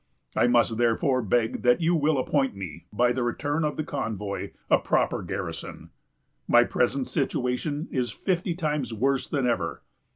I must therefore beg that you will appoint me, by the return of the convoy, a proper garrison.... My present situation is fifty times worse than ever."